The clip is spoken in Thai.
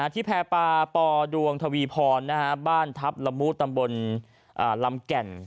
ที่แพร่ปลาปอดวงทวีพรบ้านทัพละมุตำบลลำแก่น